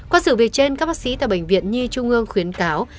qua sự việc trên các bác sĩ tại bệnh viện nhi trung ương khuyến cáo